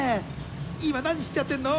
今何しちゃってんの？